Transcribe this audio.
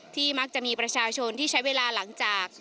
มักจะมีประชาชนที่ใช้เวลาหลังจาก